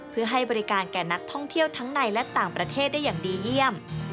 เพื่อให้บริการแก่นักท่องเที่ยวทั้งในและต่างประเทศได้อย่างดีเยี่ยม